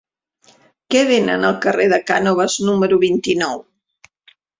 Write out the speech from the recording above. Què venen al carrer de Cànoves número vint-i-nou?